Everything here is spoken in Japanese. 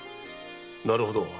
なるほど。